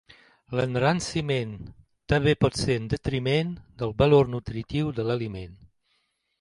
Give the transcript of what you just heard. L'enranciment també pot ser en detriment del valor nutritiu de l'aliment.